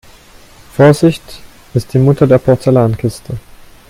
Vorsicht ist die Mutter der Porzellankiste.